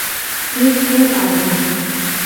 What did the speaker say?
Mi ke azi.